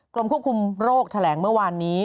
กรมควบคุมโรคแถลงเมื่อวานนี้